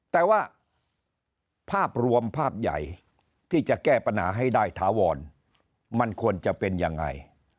แต่ว่าภาพรวมภาพใหญ่ที่จะแก้ปัญหาให้ได้ถาวรมันควรจะเป็นยังไง